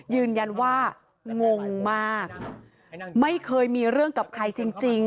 ยืนยันว่างงมากไม่เคยมีเรื่องกับใครจริง